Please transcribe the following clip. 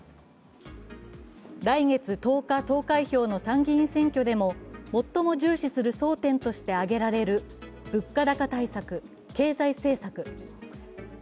来月１０日投開票の参議院選挙でも最も重視する争点として挙げられる物価高対策・経済政策。